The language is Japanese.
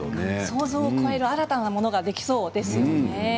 想像を超える新たなものができそうですよね。